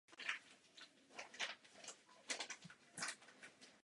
Kromě toho jsou největšími rezervoáry světa.